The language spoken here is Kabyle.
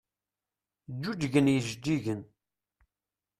Ǧǧuǧgen yijeǧǧigen.